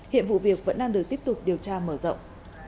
hiện vụ việc vẫn đang được tiếp tục điều tra mở rộng